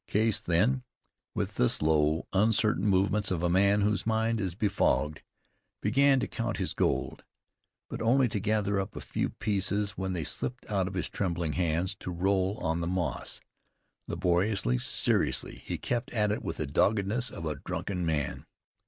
Case then, with the slow, uncertain movements of a man whose mind is befogged, began to count his gold; but only to gather up a few pieces when they slipped out of his trembling hands to roll on the moss. Laboriously, seriously, he kept at it with the doggedness of a drunken man.